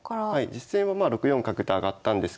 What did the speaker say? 実戦は６四角と上がったんですけど。